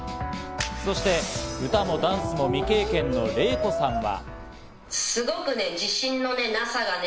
そして歌もダンスも未経験のレイコさんは。